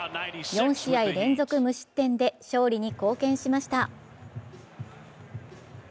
４試合連続無失点で勝利に貢献しました。